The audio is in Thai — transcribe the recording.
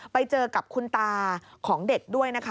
ไปเจอกับคุณตาของเด็กด้วยนะคะ